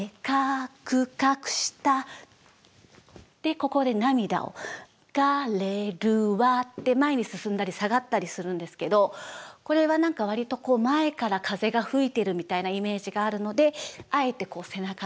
ここで涙を「流れるわ」で前に進んだり下がったりするんですけどこれは何か割と前から風が吹いてるみたいなイメージがあるのであえてこう背中が後ろになってます。